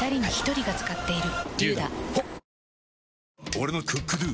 俺の「ＣｏｏｋＤｏ」！